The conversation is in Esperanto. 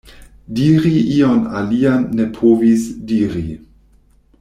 Diri ion alian ne povis diri.